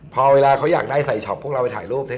พอเวลาเขาอยากได้ใส่ช็อปพวกเราไปถ่ายรูปเสร็จ